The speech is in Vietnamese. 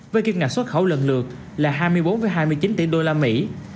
với kim ngạch xuất khẩu lần lượt là hai mươi bốn hai mươi chín tỷ đô la mỹ